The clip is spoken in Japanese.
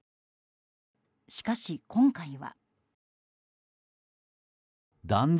しかし今回は。